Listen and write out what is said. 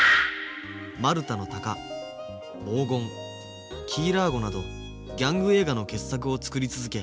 「マルタの鷹」「黄金」「キー・ラーゴ」などギャング映画の傑作を作り続け